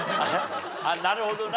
あっなるほどな。